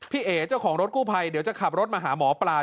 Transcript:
เอ๋เจ้าของรถกู้ภัยเดี๋ยวจะขับรถมาหาหมอปลา